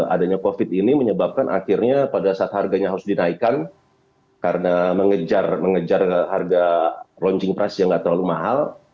adanya covid ini menyebabkan akhirnya pada saat harganya harus dinaikkan karena mengejar harga launching price yang gak terlalu mahal